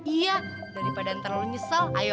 iya daripada terlalu nyesel ayo